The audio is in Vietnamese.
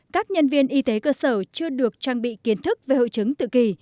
các nhân viên y tế cơ sở chưa được trang bị kiến thức về hội chứng tự kỳ